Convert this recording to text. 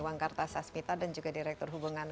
wangkarta sasmita dan juga direktur hubungan